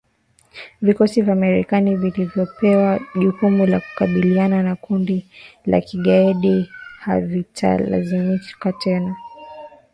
Vikosi vya Marekani vilivyopewa jukumu la kukabiliana na kundi la kigaidi havitalazimika tena kusafiri hadi Somalia kutoka nchi jirani kama ilivyokuwa hapo awali.